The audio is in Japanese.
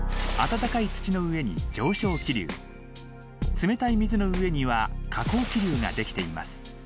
冷たい水の上には下降気流ができています。